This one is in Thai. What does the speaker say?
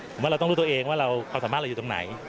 ผมว่าเราต้องรู้ตัวเองว่าความสามารถเราอยู่ตรงไหน